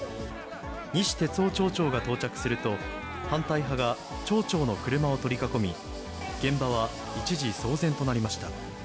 西哲夫町長が到着すると、反対派が町長の車を取り囲み、現場は一時騒然となりました。